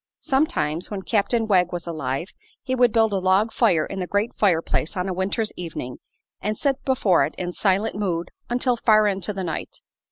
Sometimes, when Captain Wegg was alive, he would build a log fire in the great fireplace on a winter's evening and sit before it in silent mood until far into the night.